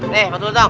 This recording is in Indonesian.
nih patut dong